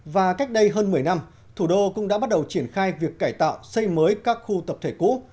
và cách đây hơn một mươi năm thủ đô cũng đã bắt đầu triển khai việc cải tạo xây mới các khu tập thể cũ